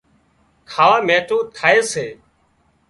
کاوا مينٺون ٿائي سي